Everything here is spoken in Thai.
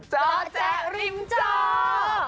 เจ้าแจริมเจ้า